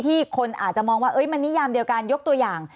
คนอาจจะมองว่ามันนิยามเดียวกันยกตัวอย่าง